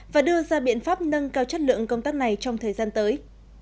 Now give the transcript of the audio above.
và đưa ra biện pháp nâng cao chất lượng công tác này trong thời gian tới